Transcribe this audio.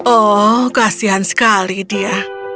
oh kasihan sekali dia